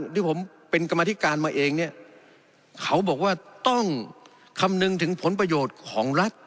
ที่ผมเป็นกรรมธิการมาเองเนี่ยเขาบอกว่าต้องคำนึงถึงผลประโยชน์ของรัฐ